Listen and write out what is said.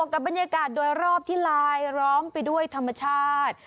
กับบรรยากาศโดยรอบที่ลายล้อมไปด้วยธรรมชาติ